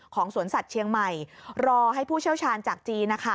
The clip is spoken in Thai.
สวนสัตว์เชียงใหม่รอให้ผู้เชี่ยวชาญจากจีนนะคะ